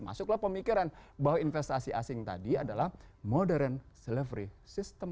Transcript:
masuklah pemikiran bahwa investasi asing tadi adalah modern delivery system